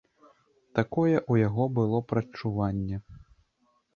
Такое ў яго было прадчуванне.